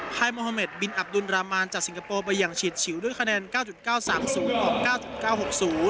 ไฮโมฮาเมดบินอับดุลรามานจากสิงคโปร์บายังชิดฉิวด้วยคะแนน๙๙๓๐ออก๙๙๖๐